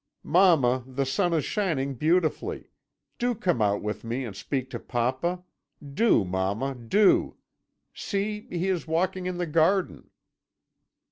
"'Mamma, the sun is shining beautifully. Do come out with me and speak to papa. Do, mamma, do! See, he is walking in the garden.'